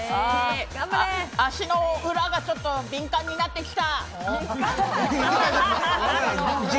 足の裏がちょっと敏感になってきた。